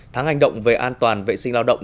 tháng hành động về an toàn vệ sinh lao động